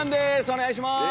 お願いします！